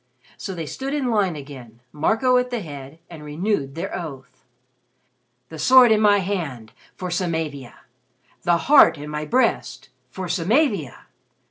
So they stood in line again, Marco at the head, and renewed their oath. "The sword in my hand for Samavia! "The heart in my breast for Samavia!